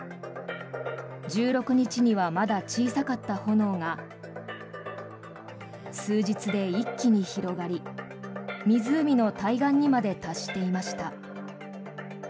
１６日にはまだ小さかった炎が数日で一気に広がり湖の対岸にまで達していました。